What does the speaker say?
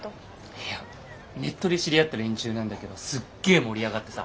いやネットで知り合った連中なんだけどすっげえ盛り上がってさ。